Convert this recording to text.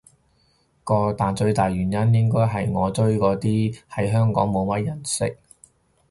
但最大原因應該係我追嗰啲喺香港冇乜人識